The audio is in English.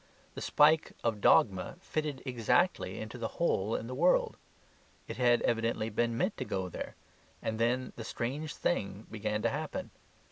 The spike of dogma fitted exactly into the hole in the world it had evidently been meant to go there and then the strange thing began to happen.